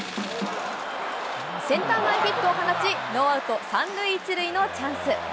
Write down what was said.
センター前ヒットを放ち、ノーアウト３塁１塁のチャンス。